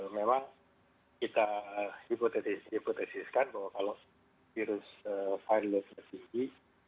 memang kita hipotesiskan bahwa kalau virus viral load nya tinggi